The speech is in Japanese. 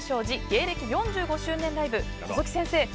芸歴４５周年ライブ細木先生！